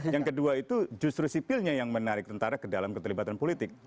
yang kedua itu justru sipilnya yang menarik tentara ke dalam keterlibatan politik